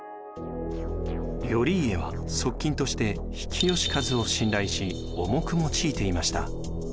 頼家は側近として比企能員を信頼し重く用いていました。